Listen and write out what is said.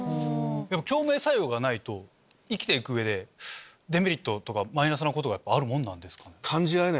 共鳴作用がないと生きて行く上でデメリットとかマイナスなことがあるもんなんですか？